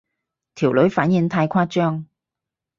條女反應太誇張